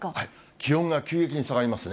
気温が急激に下がりますね。